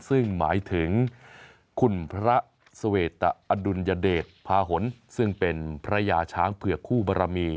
ซึ่งหมายถึงคุณพระสเวตอดุลยเดชพาหลซึ่งเป็นพระยาช้างเผือกคู่บรมี